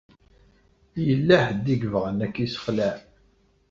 Yella ḥedd i yebɣan ad k-isexleɛ.